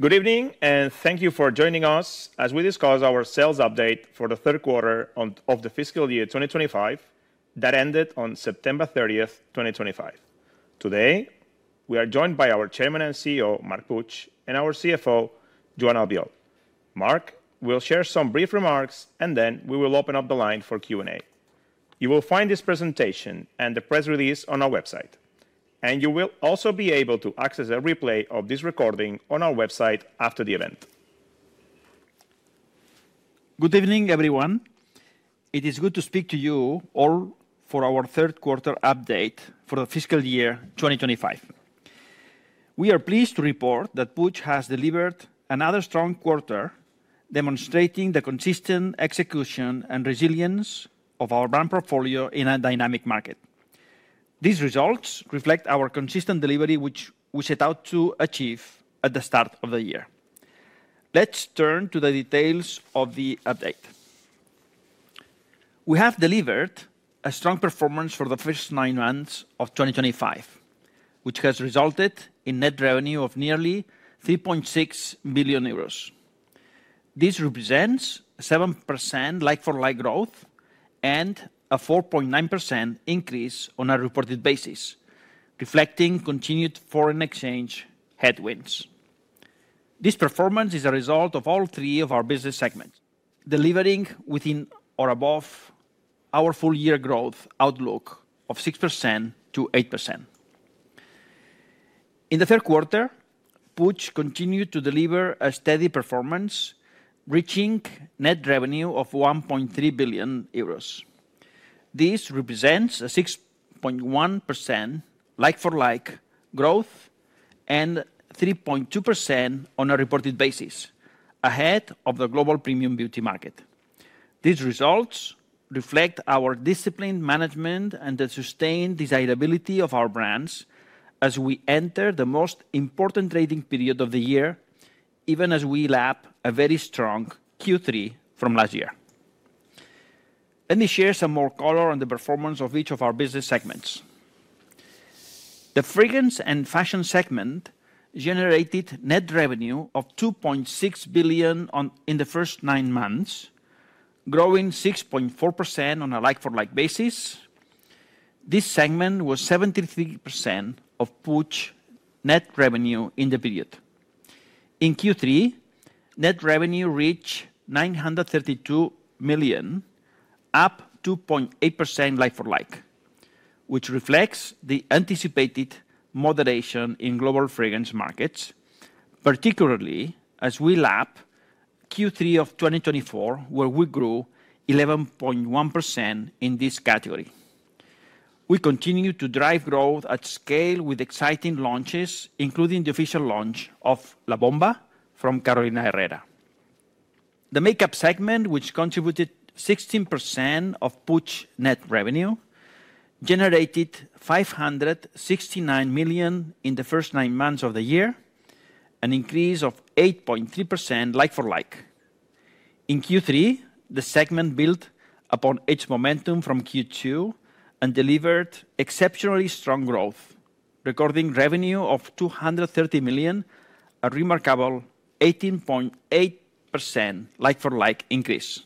Good evening, and thank you for joining us as we discuss our sales update for the third quarter of the fiscal year 2025 that ended on September 30, 2025. Today, we are joined by our Chairman and CEO, Marc Puig, and our CFO, Joan Albiol. Marc will share some brief remarks, and then we will open up the line for Q&A. You will find this presentation and the press release on our website, and you will also be able to access a replay of this recording on our website after the event. Good evening, everyone. It is good to speak to you all for our third quarter update for the fiscal year 2025. We are pleased to report that Puig has delivered another strong quarter, demonstrating the consistent execution and resilience of our brand portfolio in a dynamic market. These results reflect our consistent delivery, which we set out to achieve at the start of the year. Let's turn to the details of the update. We have delivered a strong performance for the first nine months of 2025, which has resulted in net revenue of nearly 3.6 billion euros. This represents a 7% like-for-like growth and a 4.9% increase on a reported basis, reflecting continued foreign exchange headwinds. This performance is a result of all three of our business segments delivering within or above our full-year growth outlook of 6%-8%. In the third quarter, Puig continued to deliver a steady performance, reaching net revenue of 1.3 billion euros. This represents a 6.1% like-for-like growth and 3.2% on a reported basis, ahead of the global premium beauty market. These results reflect our disciplined management and the sustained desirability of our brands as we enter the most important trading period of the year, even as we lap a very strong Q3 from last year. Let me share some more color on the performance of each of our business segments. The fragrance and fashion segment generated net revenue of 2.6 billion in the first nine months, growing 6.4% on a like-for-like basis. This segment was 73% of Puig's net revenue in the period. In Q3, net revenue reached 932 million, up 2.8% like-for-like, which reflects the anticipated moderation in global fragrance markets, particularly as we lap Q3 of 2024, where we grew 11.1% in this category. We continue to drive growth at scale with exciting launches, including the official launch of La Bomba from Carolina Herrera. The makeup segment, which contributed 16% of Puig's net revenue, generated 569 million in the first nine months of the year, an increase of 8.3% like-for-like. In Q3, the segment built upon its momentum from Q2 and delivered exceptionally strong growth, recording revenue of 230 million, a remarkable 18.8% like-for-like increase.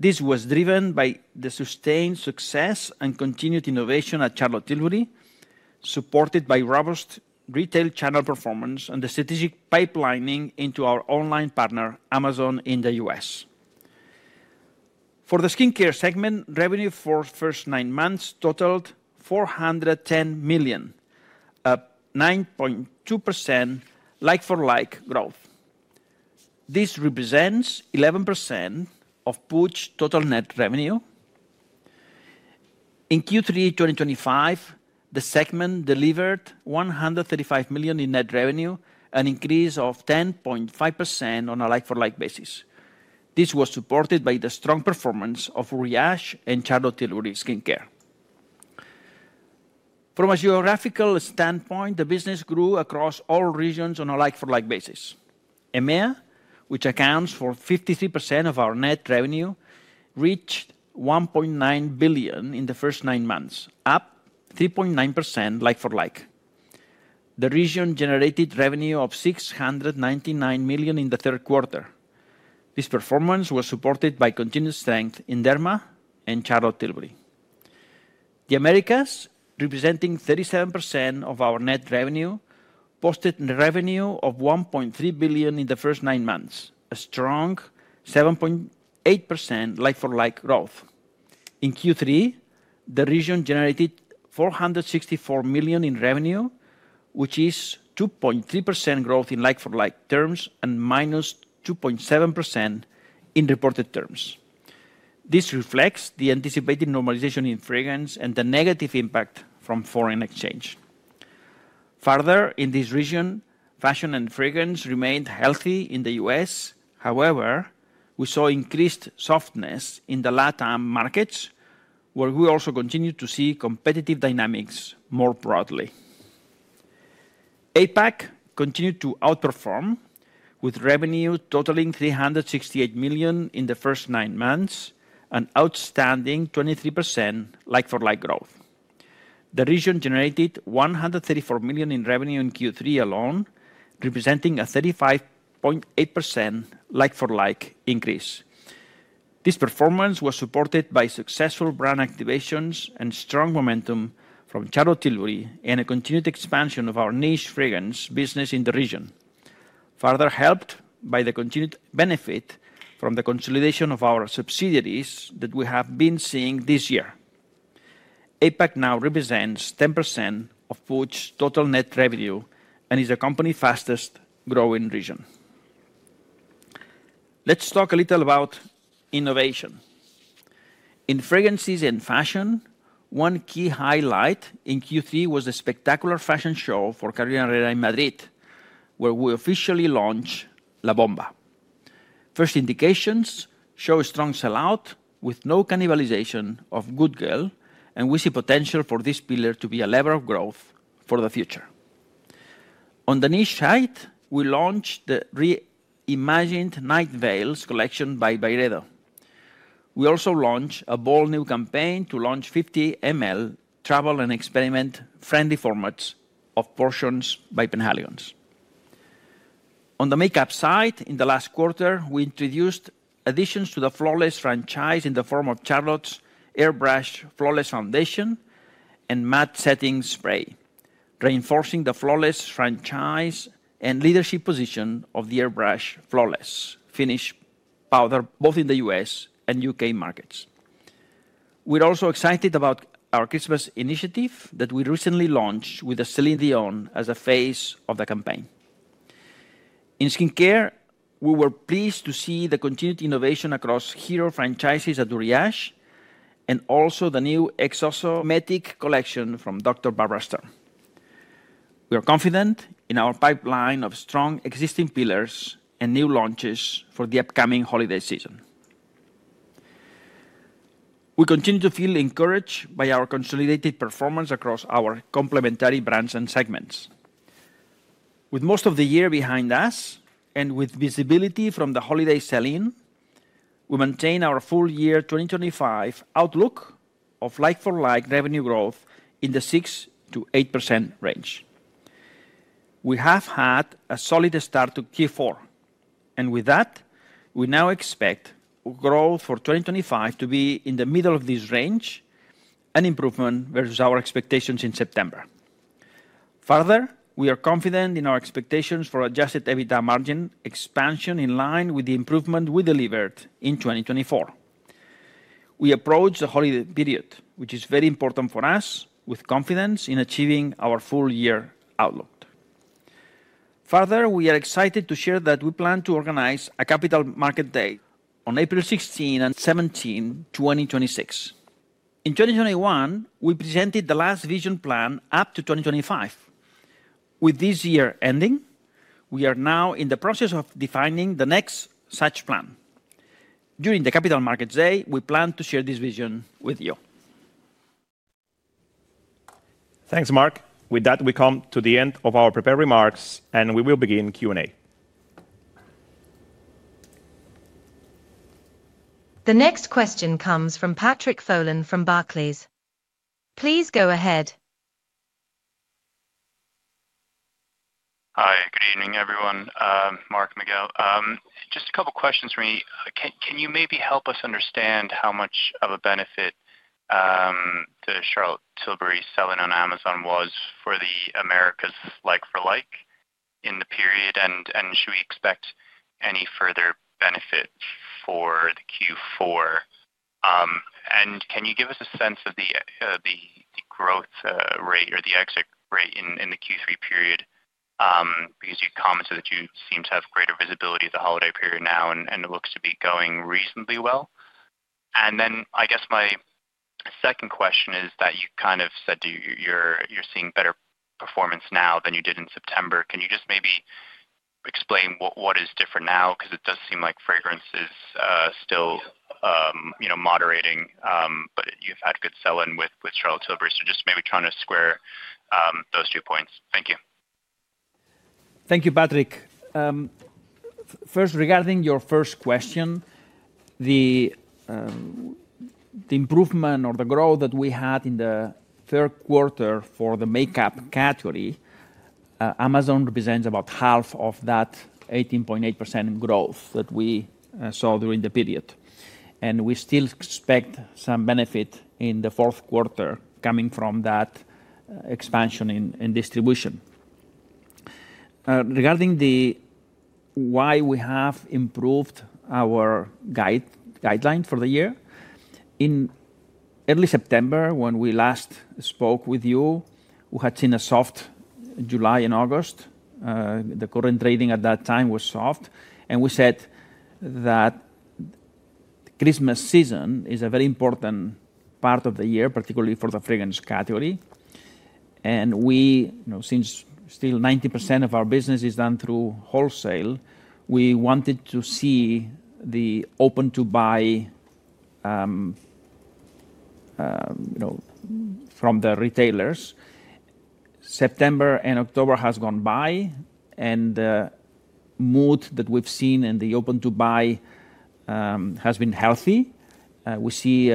This was driven by the sustained success and continued innovation at Charlotte Tilbury, supported by robust retail channel performance and the strategic pipelining into our online partner, Amazon, in the U.S. For the skincare segment, revenue for the first nine months totaled 410 million, a 9.2% like-for-like growth. This represents 11% of Puig's total net revenue. In Q3 2025, the segment delivered 135 million in net revenue, an increase of 10.5% on a like-for-like basis. This was supported by the strong performance of Uriage and Charlotte Tilbury Skincare. From a geographical standpoint, the business grew across all regions on a like-for-like basis. EMEA, which accounts for 53% of our net revenue, reached 1.9 billion in the first nine months, up 3.9% like-for-like. The region generated revenue of 699 million in the third quarter. This performance was supported by continued strength in Derma and Charlotte Tilbury. The Americas, representing 37% of our net revenue, posted revenue of 1.3 billion in the first nine months, a strong 7.8% like-for-like growth. In Q3, the region generated 464 million in revenue, which is 2.3% growth in like-for-like terms and minus 2.7% in reported terms. This reflects the anticipated normalization in fragrance and the negative impact from foreign exchange. Further, in this region, fashion and fragrance remained healthy in the U.S. However, we saw increased softness in the LATAM markets, where we also continued to see competitive dynamics more broadly. APAC continued to outperform, with revenue totaling 368 million in the first nine months and outstanding 23% like-for-like growth. The region generated 134 million in revenue in Q3 alone, representing a 35.8% like-for-like increase. This performance was supported by successful brand activations and strong momentum from Charlotte Tilbury and a continued expansion of our niche fragrance business in the region, further helped by the continued benefit from the consolidation of our subsidiaries that we have been seeing this year. APAC now represents 10% of Puig's total net revenue and is the company's fastest-growing region. Let's talk a little about innovation. In fragrances and fashion, one key highlight in Q3 was the spectacular fashion show for Carolina Herrera in Madrid, where we officially launched La Bomba. First indications show a strong sellout with no cannibalization of Good Girl, and we see potential for this pillar to be a lever of growth for the future. On the niche side, we launched the reimagined Night Veils collection by Byredo. We also launched a bold new campaign to launch 50 ml travel and experiment-friendly formats of Portraits by Penhaligon's. On the makeup side, in the last quarter, we introduced additions to the Flawless franchise in the form of Charlotte's Airbrush Flawless Foundation and Matte Setting Spray, reinforcing the Flawless franchise and leadership position of the Airbrush Flawless Finish Powder, both in the U.S. and U.K. markets. We're also excited about our Christmas initiative that we recently launched with Céline Dion as a phase of the campaign. In skincare, we were pleased to see the continued innovation across hero franchises at Uriage and also the new ExoSo-Metic collection from Dr. Barbara Sturm. We are confident in our pipeline of strong existing pillars and new launches for the upcoming holiday season. We continue to feel encouraged by our consolidated performance across our complementary brands and segments. With most of the year behind us and with visibility from the holiday sale-in, we maintain our full year 2025 outlook of like-for-like revenue growth in the 6% to 8% range. We have had a solid start to Q4, and with that, we now expect growth for 2025 to be in the middle of this range, an improvement versus our expectations in September. Further, we are confident in our expectations for adjusted EBITDA margin expansion in line with the improvement we delivered in 2024. We approach the holiday period, which is very important for us, with confidence in achieving our full-year outlook. Further, we are excited to share that we plan to organize a Capital Market Day on April 16 and 17, 2026. In 2021, we presented the last vision plan up to 2025. With this year ending, we are now in the process of defining the next such plan. During the Capital Market Day, we plan to share this vision with you. Thanks, Marc. With that, we come to the end of our prepared remarks, and we will begin Q&A. The next question comes from Patrick Folan from Barclays. Please go ahead. Hi, good evening, everyone. Marc, just a couple of questions for me. Can you maybe help us understand how much of a benefit to Charlotte Tilbury selling on Amazon was for the Americas like-for-like in the period, and should we expect any further benefit for Q4? Can you give us a sense of the growth rate or the exit rate in the Q3 period? You commented that you seem to have greater visibility of the holiday period now, and it looks to be going reasonably well. I guess my second question is that you kind of said you're seeing better performance now than you did in September. Can you just maybe explain what is different now? It does seem like fragrance is still moderating, but you've had good sell-in with Charlotte Tilbury. Just maybe trying to square those two points. Thank you. Thank you, Patrick. First, regarding your first question. The improvement or the growth that we had in the third quarter for the makeup category, Amazon represents about half of that 18.8% growth that we saw during the period. We still expect some benefit in the fourth quarter coming from that expansion in distribution. Regarding why we have improved our guideline for the year, in early September, when we last spoke with you, we had seen a soft July and August. The current rating at that time was soft, and we said that the Christmas season is a very important part of the year, particularly for the fragrance category. Since still 90% of our business is done through wholesale, we wanted to see the open-to-buy from the retailers. September and October have gone by, and the mood that we've seen in the open-to-buy has been healthy. We see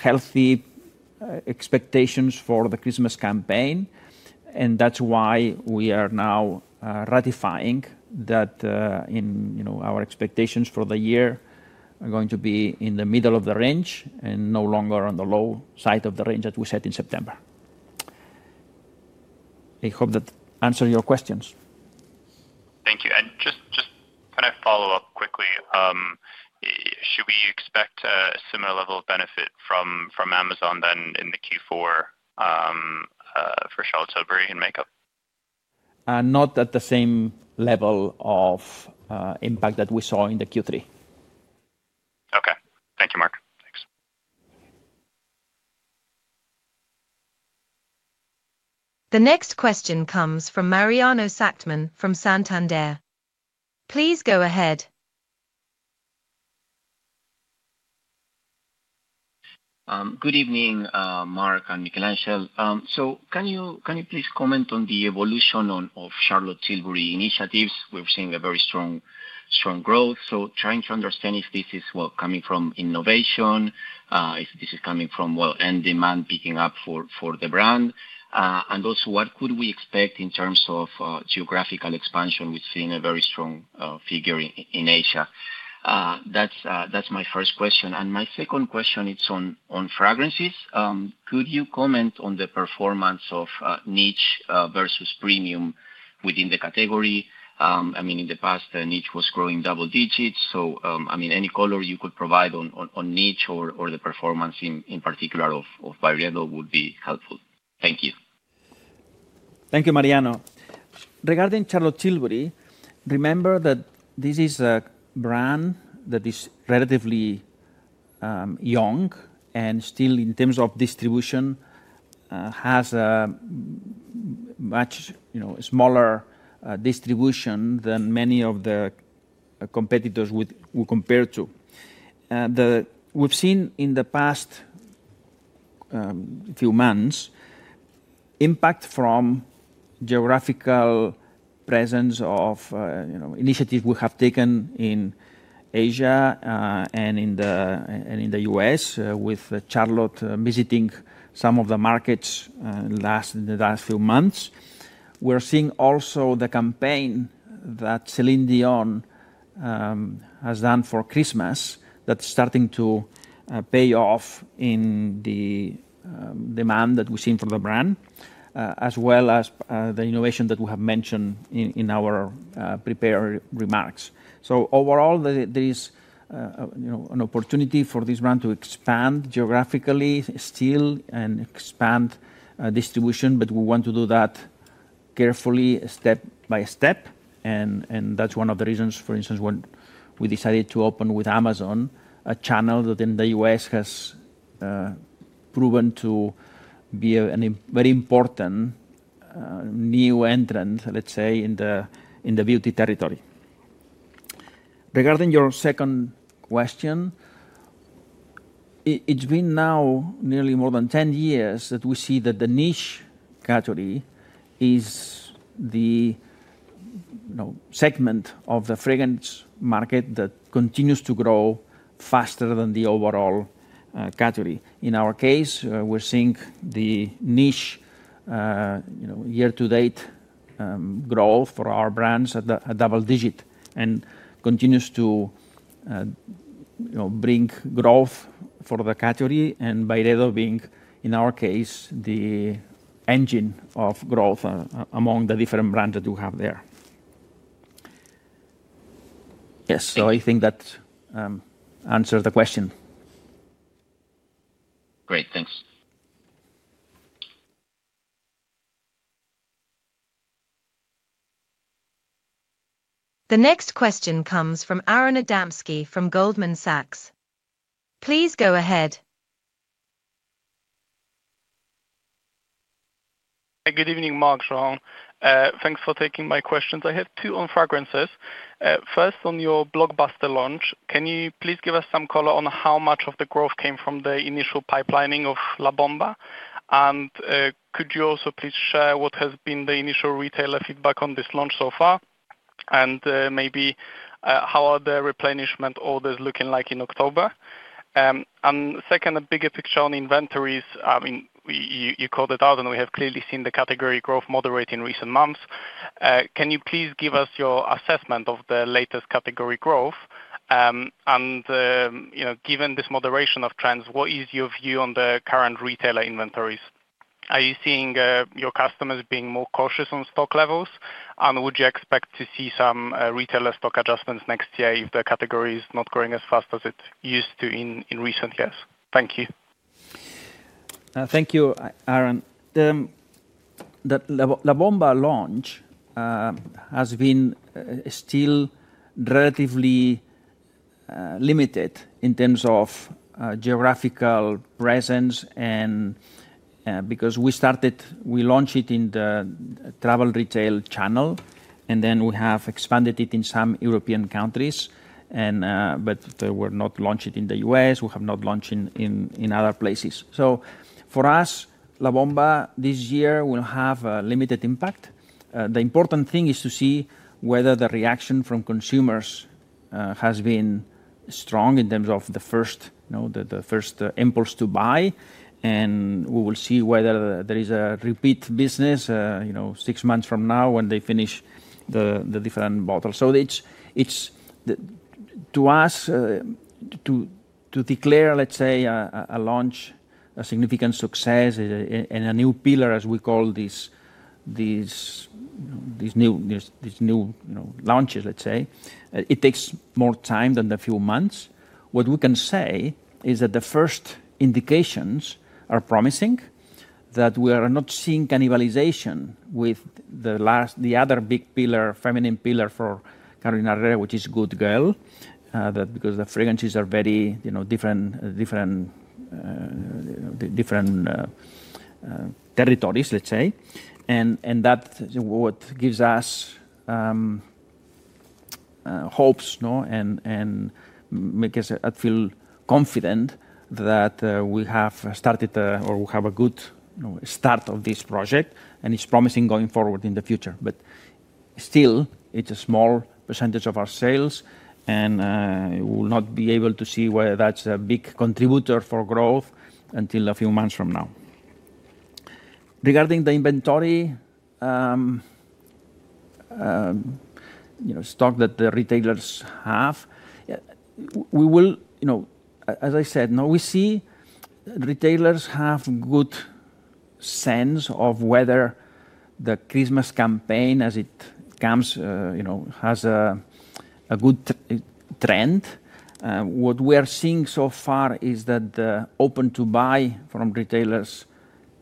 healthy expectations for the Christmas campaign, and that's why we are now ratifying that our expectations for the year are going to be in the middle of the range and no longer on the low side of the range that we set in September. I hope that answers your questions. Thank you. Just to follow up quickly, should we expect a similar level of benefit from Amazon in Q4 for Charlotte Tilbury and makeup? Not at the same level of impact that we saw in Q3. Okay, thank you, Marc. Thanks. The next question comes from Mariano Szachtman from Santander. Please go ahead. Good evening, Marc and Miquel Angel. Can you please comment on the evolution of Charlotte Tilbury initiatives? We're seeing very strong growth. I'm trying to understand if this is coming from innovation, if this is coming from demand picking up for the brand, and also what we could expect in terms of geographical expansion. We've seen a very strong figure in Asia. That's my first question. My second question is on fragrances. Could you comment on the performance of niche versus premium within the category? In the past, niche was growing double digits. Any color you could provide on niche or the performance in particular of Byredo would be helpful. Thank you. Thank you, Mariano. Regarding Charlotte Tilbury, remember that this is a brand that is relatively young and still, in terms of distribution, has a much smaller distribution than many of the competitors we compare to. We've seen in the past few months impact from geographical presence of initiatives we have taken in Asia and in the U.S., with Charlotte visiting some of the markets in the last few months. We're seeing also the campaign that Céline Dion has done for Christmas that's starting to pay off in the demand that we've seen for the brand, as well as the innovation that we have mentioned in our prepared remarks. Overall, there is an opportunity for this brand to expand geographically still and expand distribution, but we want to do that carefully, step by step. That's one of the reasons, for instance, when we decided to open with Amazon, a channel that in the U.S. has proven to be a very important new entrant, let's say, in the beauty territory. Regarding your second question, it's been now nearly more than 10 years that we see that the niche category is the segment of the fragrance market that continues to grow faster than the overall category. In our case, we're seeing the niche year-to-date growth for our brands at double digit and continues to bring growth for the category, and Byredo being, in our case, the engine of growth among the different brands that we have there. Yes, I think that answers the question. Great. Thanks. The next question comes from Aron Adamski from Goldman Sachs. Please go ahead. Good evening, Marc, Joan. Thanks for taking my questions. I have two on fragrances. First, on your blockbuster launch, can you please give us some color on how much of the growth came from the initial pipelining of La Bomba? Could you also please share what has been the initial retailer feedback on this launch so far? Maybe how are the replenishment orders looking like in October? Second, a bigger picture on inventories. You called it out, and we have clearly seen the category growth moderate in recent months. Can you please give us your assessment of the latest category growth? Given this moderation of trends, what is your view on the current retailer inventories? Are you seeing your customers being more cautious on stock levels? Would you expect to see some retailer stock adjustments next year if the category is not growing as fast as it used to in recent years? Thank you. Thank you, Aron. The La Bomba launch has been still relatively limited in terms of geographical presence because we launched it in the travel retail channel, and then we have expanded it in some European countries, but we're not launching in the U.S. We have not launched in other places. For us, La Bomba this year will have a limited impact. The important thing is to see whether the reaction from consumers has been strong in terms of the first impulse to buy, and we will see whether there is a repeat business six months from now when they finish the different bottles. To us, to declare, let's say, a launch a significant success and a new pillar, as we call these new launches, it takes more time than a few months. What we can say is that the first indications are promising, that we are not seeing cannibalization with the other big feminine pillar for Carolina Herrera, which is Good Girl, because the fragrances are very different territories. That's what gives us hopes and makes us feel confident that we have started or we have a good start of this project, and it's promising going forward in the future. Still, it's a small percentage of our sales, and we will not be able to see whether that's a big contributor for growth until a few months from now. Regarding the inventory stock that the retailers have, as I said, we see retailers have good sense of whether the Christmas campaign, as it comes, has a good trend. What we are seeing so far is that the open-to-buy from retailers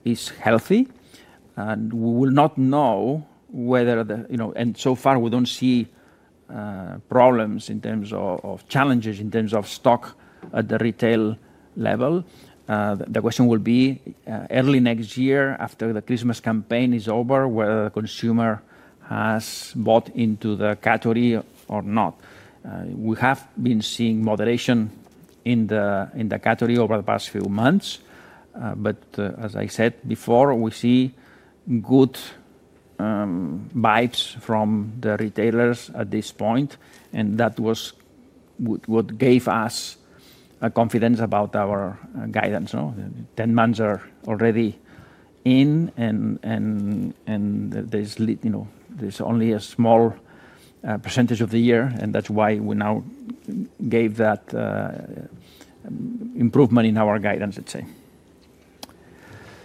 is healthy, and we will not know whether the consumer has bought into the category or not until early next year after the Christmas campaign is over. We have been seeing moderation in the category over the past few months, but as I said before, we see good vibes from the retailers at this point, and that was what gave us confidence about our guidance. Ten months are already in, and there's only a small percentage of the year, and that's why we now gave that improvement in our guidance, let's say.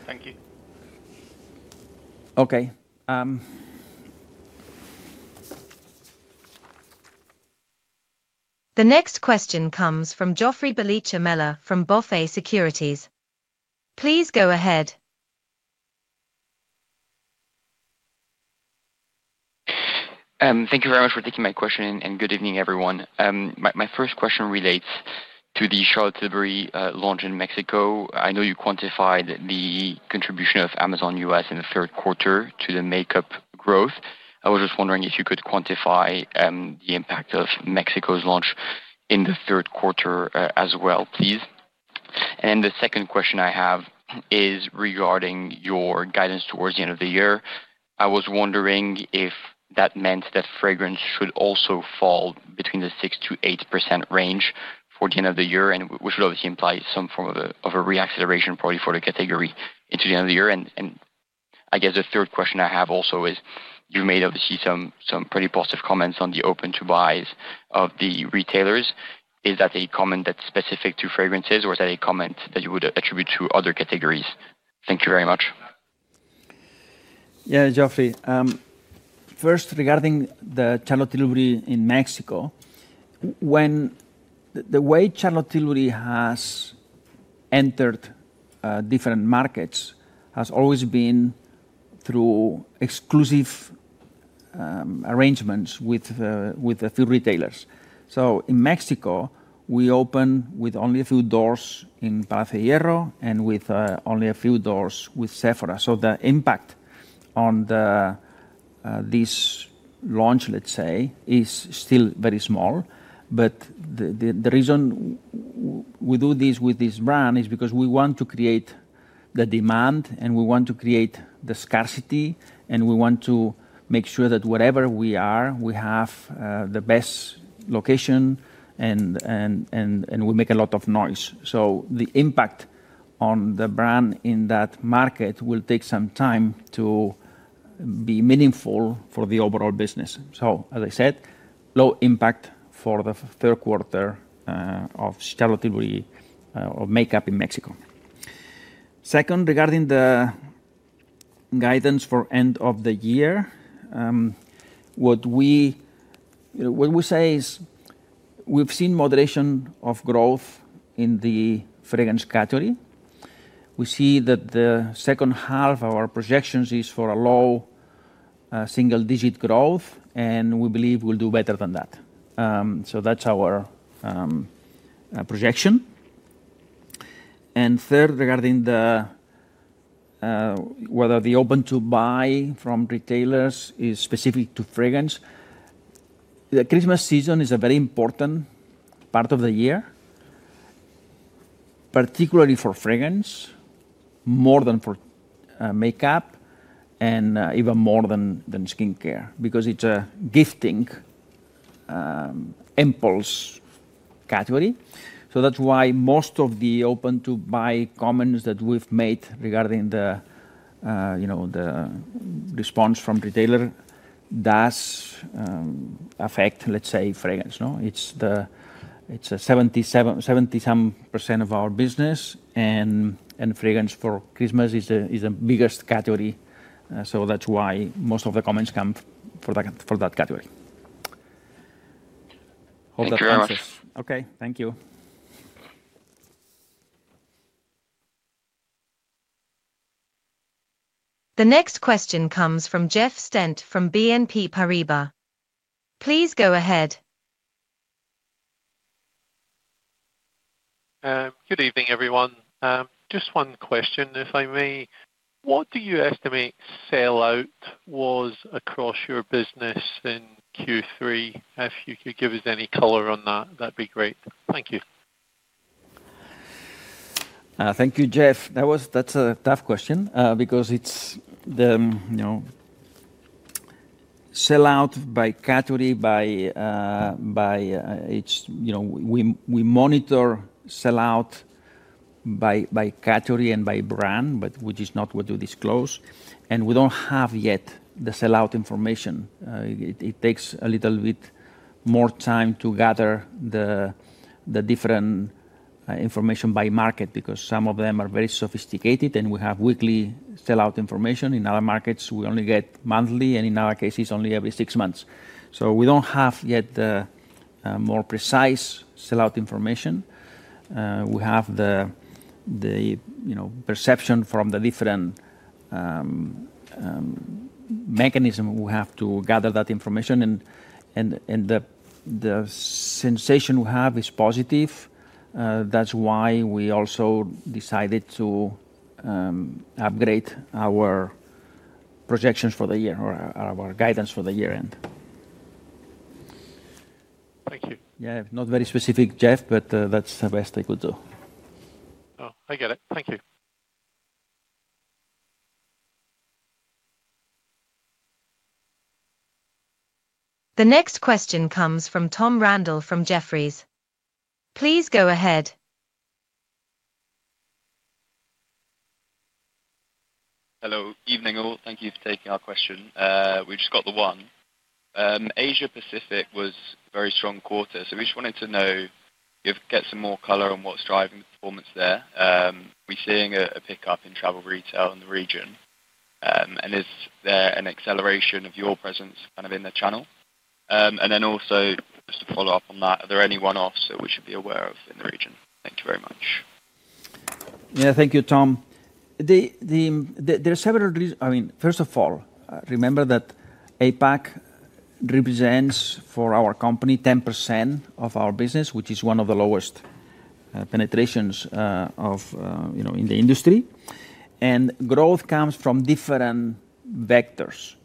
Thank you. Okay. The next question comes from Joffrey Bellicha Meller from BofA Securities. Please go ahead. Thank you very much for taking my question, and good evening, everyone. My first question relates to the Charlotte Tilbury launch in Mexico. I know you quantified the contribution of Amazon US in the third quarter to the makeup growth. I was just wondering if you could quantify the impact of Mexico's launch in the third quarter as well, please. The second question I have is regarding your guidance towards the end of the year. I was wondering if that meant that fragrance should also fall between the 6%-8% range for the end of the year, which would obviously imply some form of a reacceleration probably for the category into the end of the year. I guess the third question I have also is, you may obviously see some pretty positive comments on the open-to-buy of the retailers. Is that a comment that's specific to fragrances, or is that a comment that you would attribute to other categories? Thank you very much. Yeah, Joffrey. First, regarding the Charlotte Tilbury in Mexico. The way Charlotte Tilbury has entered different markets has always been through exclusive arrangements with a few retailers. In Mexico, we opened with only a few doors in Palacio de Hierro and with only a few doors with Sephora. The impact on this launch, let's say, is still very small. The reason we do this with this brand is because we want to create the demand, and we want to create the scarcity, and we want to make sure that wherever we are, we have the best location, and we make a lot of noise. The impact on the brand in that market will take some time to be meaningful for the overall business. As I said, low impact for the third quarter of Charlotte Tilbury makeup in Mexico. Second, regarding the guidance for end of the year. What we say is we've seen moderation of growth in the fragrance category. We see that the second half of our projections is for a low single-digit growth, and we believe we'll do better than that. That's our projection. Third, regarding whether the open-to-buy from retailers is specific to fragrance. The Christmas season is a very important part of the year, particularly for fragrance, more than for makeup, and even more than skincare, because it's a gifting impulse category. That's why most of the open-to-buy comments that we've made regarding the response from retailers does affect, let's say, fragrance. It's a 70% some percent of our business, and fragrance for Christmas is the biggest category. That's why most of the comments come for that category. Hope that answers. Okay, thank you. The next question comes from Jeff Stent from BNP Paribas. Please go ahead. Good evening, everyone. Just one question, if I may. What do you estimate sell-out was across your business in Q3? If you could give us any color on that, that'd be great. Thank you. Thank you, Jeff. That's a tough question because it's sell-out by category. We monitor sell-out by category and by brand, which is not what we disclose. We don't have yet the sell-out information. It takes a little bit more time to gather the different information by market because some of them are very sophisticated, and we have weekly sell-out information. In other markets, we only get monthly, and in our case, it's only every six months. We don't have yet more precise sell-out information. We have the perception from the different mechanisms we have to gather that information, and the sensation we have is positive. That's why we also decided to upgrade our projections for the year or our guidance for the year-end. Thank you. Yeah, not very specific, Jeff, but that's the best I could do. Oh, I get it. Thank you. The next question comes from Tom Randall from Jefferies. Please go ahead. Hello, evening all. Thank you for taking our question. We just got the one. Asia-Pacific was a very strong quarter, so we just wanted to know if you could get some more color on what's driving the performance there. We're seeing a pickup in travel retail in the region. Is there an acceleration of your presence in the channel? Also, just to follow up on that, are there any one-offs that we should be aware of in the region? Thank you very much. Yeah, thank you, Tom. There are several reasons. First of all, remember that APAC represents for our company 10% of our business, which is one of the lowest penetrations in the industry. Growth comes from different vectors.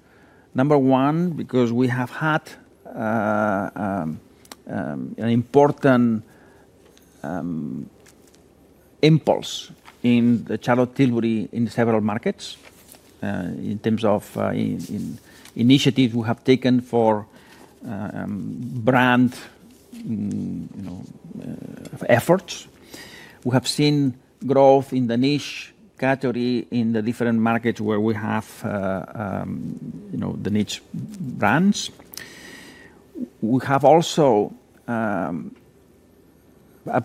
Number one, we have had an important impulse in Charlotte Tilbury in several markets. In terms of initiatives we have taken for brand efforts, we have seen growth in the niche category in the different markets where we have the niche brands. We have also a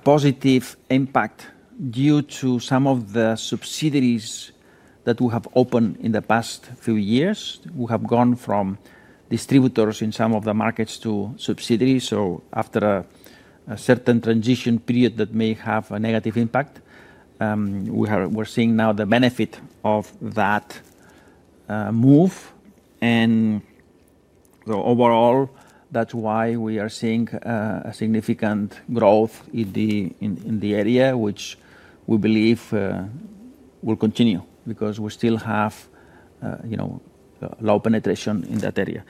positive impact due to some of the subsidiaries that we have opened in the past few years. We have gone from distributors in some of the markets to subsidiaries. After a certain transition period that may have a negative impact, we're seeing now the benefit of that move. Overall, that's why we are seeing a significant growth in the area, which we believe will continue because we still have low penetration in that area.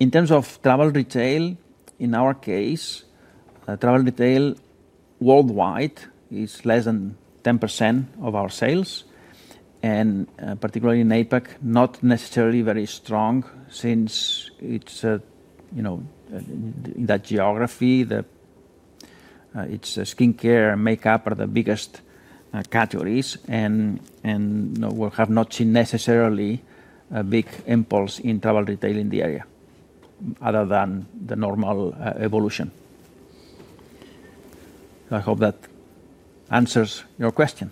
In terms of travel retail, in our case, travel retail worldwide is less than 10% of our sales, and particularly in APAC, not necessarily very strong since in that geography, skincare and makeup are the biggest categories, and we have not seen necessarily a big impulse in travel retail in the area other than the normal evolution. I hope that answers your question.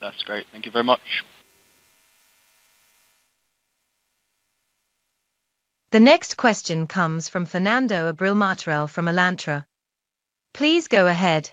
That's great. Thank you very much. The next question comes from Fernando Abril-Martorell from Alantra. Please go ahead.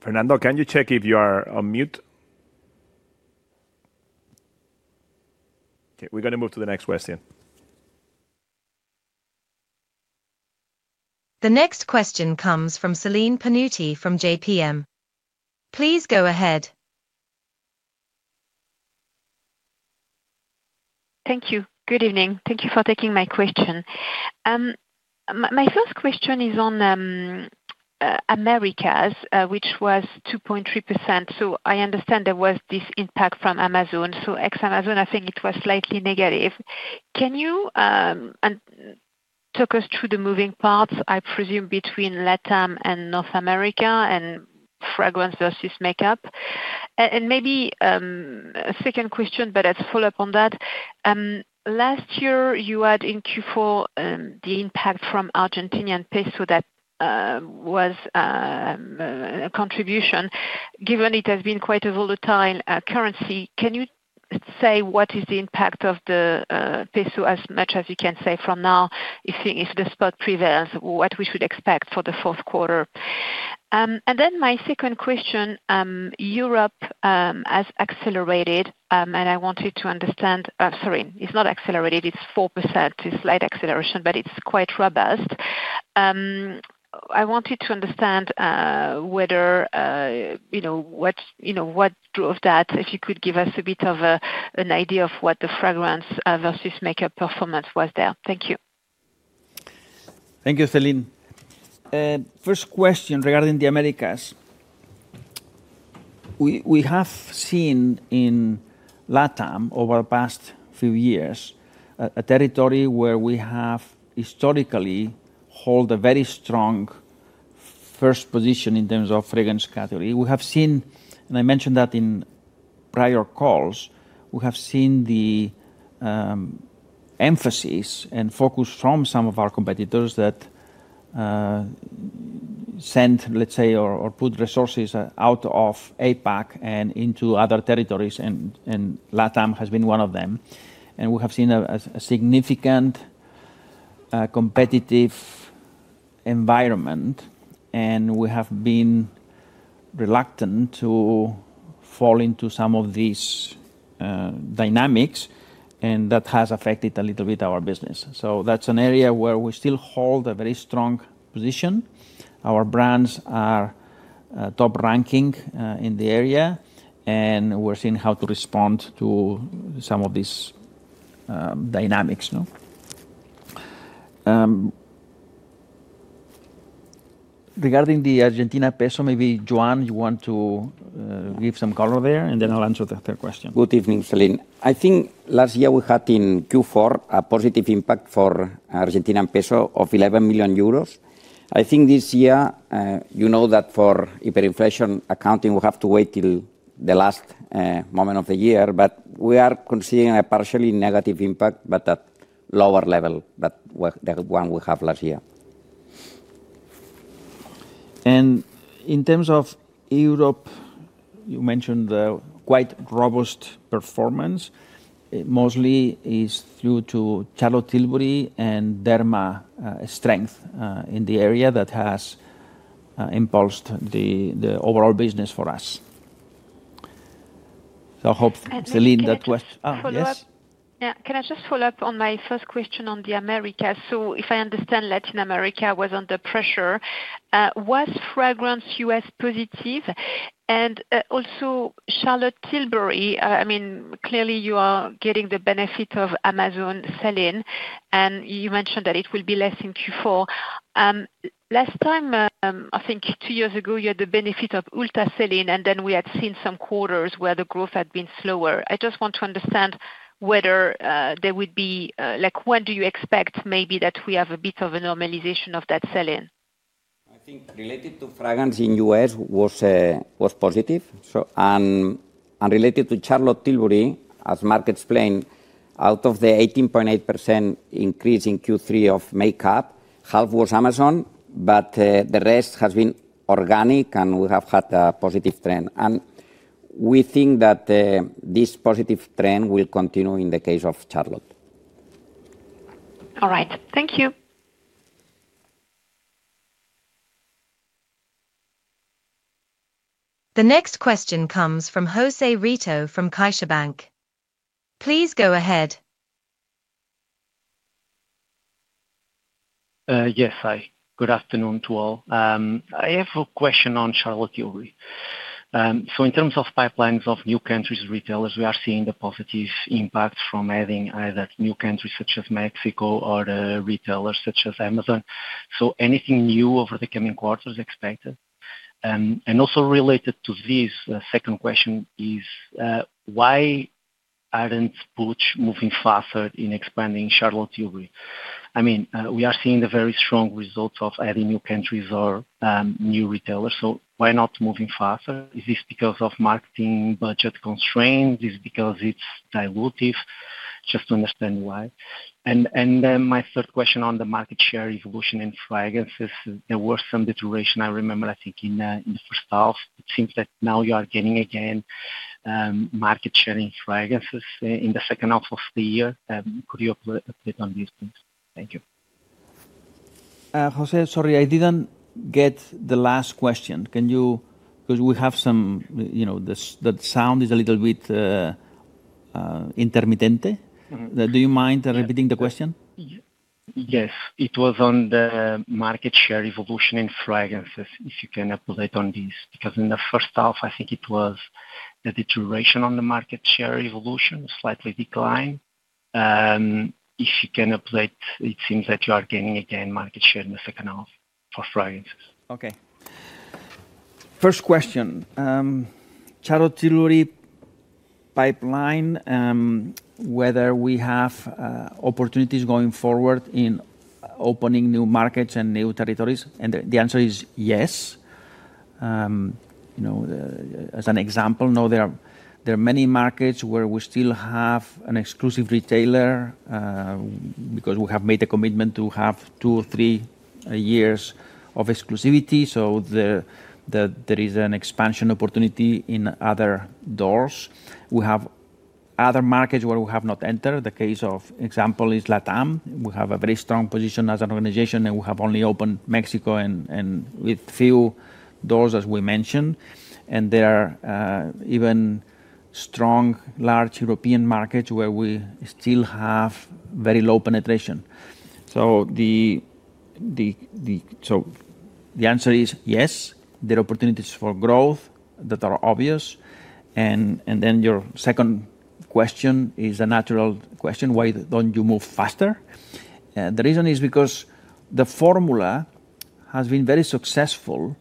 Fernando, can you check if you are on mute? Okay, we're going to move to the next question. The next question comes from Céline Pannuti from JPM. Please go ahead. Thank you. Good evening. Thank you for taking my question. My first question is on Americas, which was 2.3%. I understand there was this impact from Amazon. Ex-Amazon, I think it was slightly negative. Can you talk us through the moving parts, I presume, between LATAM and North America and fragrance versus makeup? Maybe a second question, but let's follow up on that. Last year, you had in Q4 the impact from Argentinian peso that was a contribution. Given it has been quite a volatile currency, can you say what is the impact of the peso as much as you can say from now, if the spot prevails, what we should expect for the fourth quarter? My second question: Europe has accelerated, and I wanted to understand—sorry, it's not accelerated, it's 4%. It's a slight acceleration, but it's quite robust. I wanted to understand what drove that, if you could give us a bit of an idea of what the fragrance versus makeup performance was there. Thank you. Thank you, Céline. First question regarding the Americas. We have seen in LATAM over the past few years a territory where we have historically held a very strong first position in terms of fragrance category. We have seen, and I mentioned that in prior calls, the emphasis and focus from some of our competitors that sent, let's say, or put resources out of APAC and into other territories, and LATAM has been one of them. We have seen a significant competitive environment, and we have been reluctant to fall into some of these dynamics, and that has affected a little bit our business. That's an area where we still hold a very strong position. Our brands are top-ranking in the area, and we're seeing how to respond to some of these dynamics. Regarding the Argentina peso, maybe Joan, you want to give some color there, and then I'll answer the third question. Good evening, Céline. I think last year we had in Q4 a positive impact for the Argentina peso of 11 million euros. I think this year, you know that for hyperinflation accounting, we have to wait till the last moment of the year, but we are considering a partially negative impact, but at a lower level than the one we had last year. In terms of Europe, you mentioned quite robust performance. Mostly it's due to Charlotte Tilbury and Derma's strength in the area that has impulsed the overall business for us. I hope, Céline, that question— Can I just follow up on my first question on the Americas? If I understand, LATAM was under pressure. Was fragrance U.S. positive? Also, Charlotte Tilbury, I mean, clearly you are getting the benefit of Amazon sell-in, and you mentioned that it will be less in Q4. Last time, I think two years ago, you had the benefit of ultra-sell-in, and then we had seen some quarters where the growth had been slower. I just want to understand whether there would be—when do you expect maybe that we have a bit of a normalization of that sell-in? I think related to fragrance in the U.S. was positive. Related to Charlotte Tilbury, as Marc explained, out of the 18.8% increase in Q3 of makeup, half was Amazon, but the rest has been organic, and we have had a positive trend. We think that this positive trend will continue in the case of Charlotte. All right, thank you. The next question comes José Rito from caixabank. Please go ahead. Yes, hi. Good afternoon to all. I have a question on Charlotte Tilbury. In terms of pipelines of new countries' retailers, we are seeing the positive impact from adding either new countries such as Mexico or retailers such as Amazon. Is anything new over the coming quarters expected? Also, related to this, my second question is why aren't Puig moving faster in expanding Charlotte Tilbury? I mean, we are seeing the very strong results of adding new countries or new retailers. Why not moving faster? Is this because of marketing budget constraints? Is it because it's dilutive? Just to understand why. My third question on the market share evolution in fragrances, there was some deterioration. I remember, I think, in the first half. It seems that now you are getting again market share in fragrances in the second half of the year. Could you update on these things? Thank you. Sorry, I didn't get the last question because we have some sound that is a little bit intermittent. Do you mind repeating the question? Yes. It was on the market share evolution in fragrances. If you can update on this, because in the first half, I think it was the deterioration on the market share evolution, slightly declined. If you can update, it seems that you are gaining again market share in the second half for fragrances. Okay. First question. Charlotte Tilbury Pipeline. Whether we have opportunities going forward in opening new markets and new territories. The answer is yes. As an example, there are many markets where we still have an exclusive retailer because we have made a commitment to have two or three years of exclusivity. There is an expansion opportunity in other doors. We have other markets where we have not entered. The case of example is LATAM. We have a very strong position as an organization, and we have only opened Mexico and with few doors, as we mentioned. There are even strong, large European markets where we still have very low penetration. The answer is yes. There are opportunities for growth that are obvious. Your second question is a natural question. Why don't you move faster? The reason is because the formula has been very successful.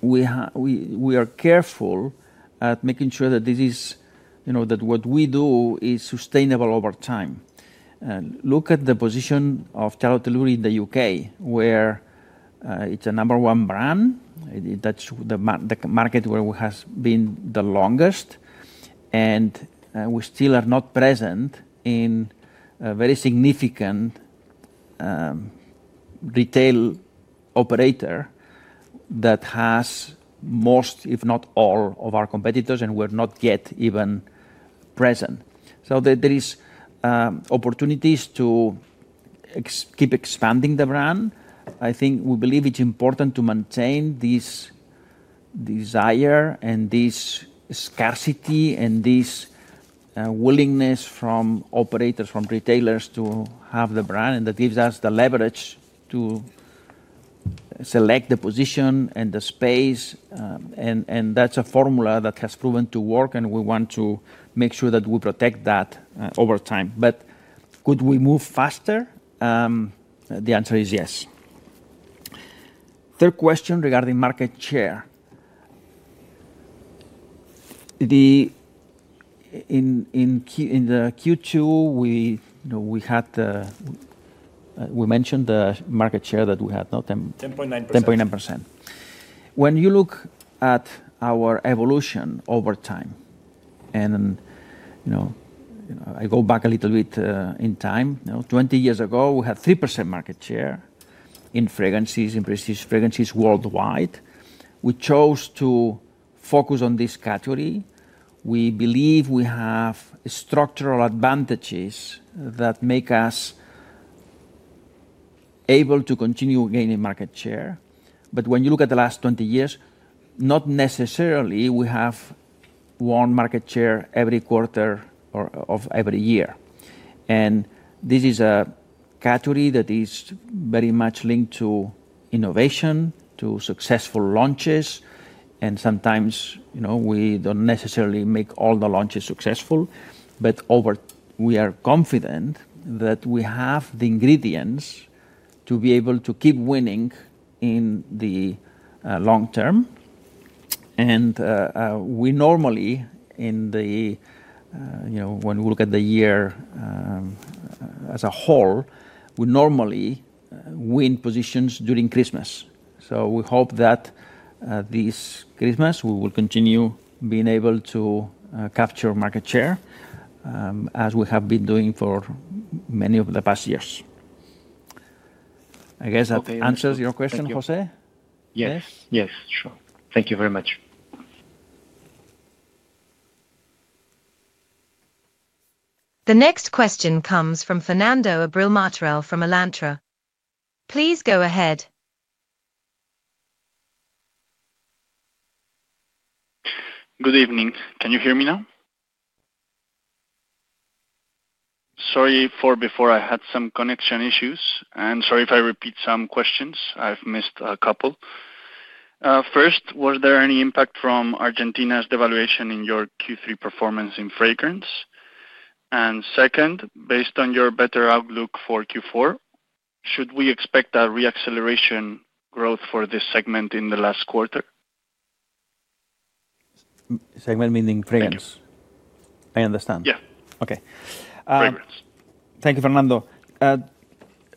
We are careful at making sure that what we do is sustainable over time. Look at the position of Charlotte Tilbury in the U.K., where it's a number one brand. That's the market where we have been the longest, and we still are not present in a very significant retail operator that has most, if not all, of our competitors, and we're not yet even present. There are opportunities to keep expanding the brand. I think we believe it's important to maintain this desire and this scarcity and this willingness from operators, from retailers to have the brand. That gives us the leverage to select the position and the space, and that's a formula that has proven to work, and we want to make sure that we protect that over time. Could we move faster? The answer is yes. Third question regarding market share. In Q2, we mentioned the market share that we had. 10.9%. 10.9%. When you look at our evolution over time, and I go back a little bit in time, 20 years ago, we had 3% market share in fragrances, in prestige fragrances worldwide. We chose to focus on this category. We believe we have structural advantages that make us able to continue gaining market share. When you look at the last 20 years, not necessarily we have won market share every quarter of every year. This is a category that is very much linked to innovation, to successful launches. Sometimes we don't necessarily make all the launches successful, but we are confident that we have the ingredients to be able to keep winning in the long term. When we look at the year as a whole, we normally win positions during Christmas. We hope that this Christmas, we will continue being able to capture market share, as we have been doing for many of the past years. I guess that answers your question, Jose? Yes. Yes. Sure. Thank you very much. The next question comes from Fernando Abril-Martorell from Alantra. Please go ahead. Good evening. Can you hear me now? Sorry for before, I had some connection issues. Sorry if I repeat some questions. I've missed a couple. First, was there any impact from Argentina's devaluation in your Q3 performance in fragrance? Second, based on your better outlook for Q4, should we expect a re-acceleration growth for this segment in the last quarter? Segment meaning fragrance. Yes. I understand. Yeah. Okay. Fragrance. Thank you, Fernando.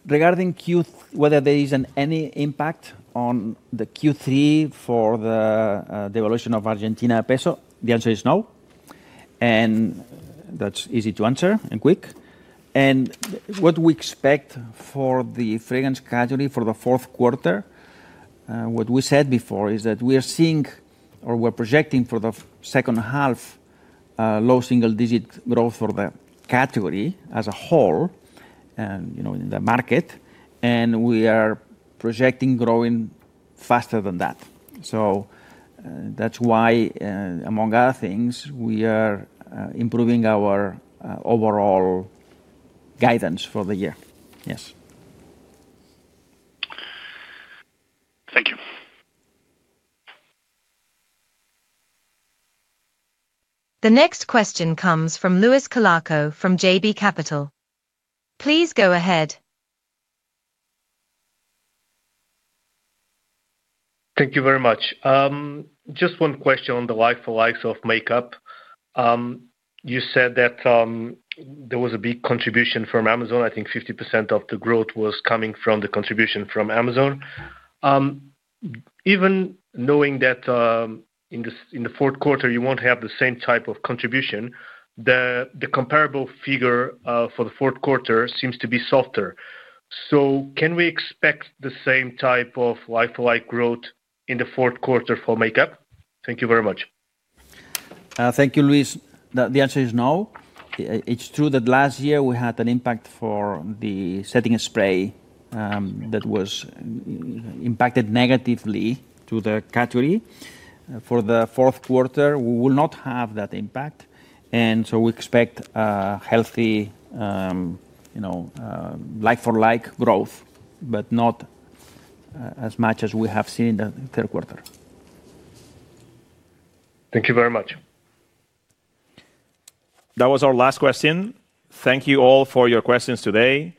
Regarding Q3, whether there is any impact on Q3 for the devaluation of the Argentina peso, the answer is no. That's easy to answer and quick. What we expect for the fragrance category for the fourth quarter, what we said before is that we are seeing or we're projecting for the second half low single-digit growth for the category as a whole in the market, and we are projecting growing faster than that. That's why, among other things, we are improving our overall guidance for the year. Yes. Thank you. The next question comes from Luis Colaço from JB Capital. Please go ahead. Thank you very much. Just one question on the life of makeup. You said that there was a big contribution from Amazon. I think 50% of the growth was coming from the contribution from Amazon. Even knowing that in the fourth quarter, you won't have the same type of contribution, the comparable figure for the fourth quarter seems to be softer. Can we expect the same type of like-for-like growth in the fourth quarter for makeup? Thank you very much. Thank you, Luis. The answer is no. It's true that last year we had an impact for the setting spray. That impacted negatively the category. For the fourth quarter, we will not have that impact, and we expect healthy like-for-like growth, but not as much as we have seen in the third quarter. Thank you very much. That was our last question. Thank you all for your questions today.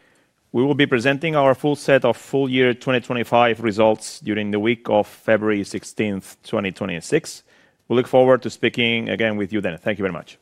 We will be presenting our full set of full year 2025 results during the week of February 16, 2026. We look forward to speaking again with you then. Thank you very much.